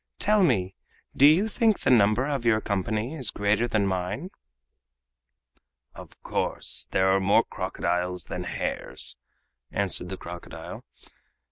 Tell me, do you think the number of your company is greater than mine?" "Of course, there are more crocodiles than hares," answered the crocodile.